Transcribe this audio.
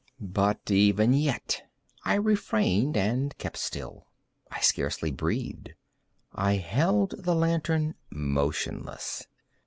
But even yet I refrained and kept still. I scarcely breathed. I held the lantern motionless.